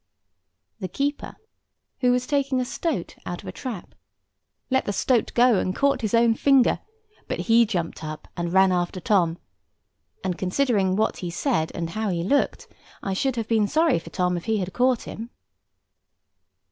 The keeper, who was taking a stoat out of a trap, let the stoat go, and caught his own finger; but he jumped up, and ran after Tom; and considering what he said, and how he looked, I should have been sorry for Tom if he had caught him.